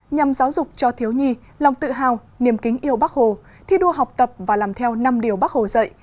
nhằm giáo dục cho thiếu nhi lòng tự hào niềm kính yêu bắc hồ thi đua học tập và làm theo năm điều bác hồ dạy